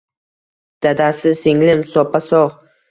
-Dadasi… singlim soppa-sog’.